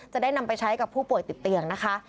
จะได้นำไปใช้กับผู้ป่วยติดเตียงนะคะ